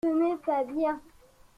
Ce n’est pas bien.